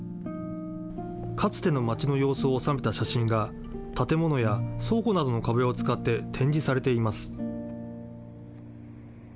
かつての町の様子を収めた写真が、建物や倉庫などの壁を使って展示されています。